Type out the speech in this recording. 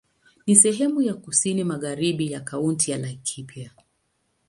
Ni sehemu ya kusini magharibi ya Kaunti ya Laikipia.